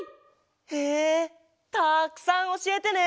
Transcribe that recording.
へえたくさんおしえてね！